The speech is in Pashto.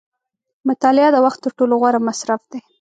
• مطالعه د وخت تر ټولو غوره مصرف دی.